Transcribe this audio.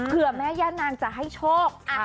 เพื่อแม่ย่านางจะให้โชค